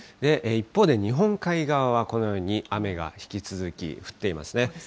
一方で、日本海側はこのように雨が引き続き降っていますね。